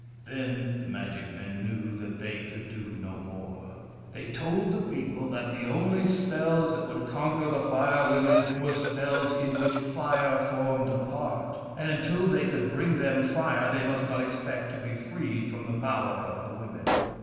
Then the magic men knew that they could do no more. They told the people that the only spells that would conquer the Fire Women were spells in which Fire formed a part ; and until they could bring them Fire, they must not expect to be freed from the power of the women.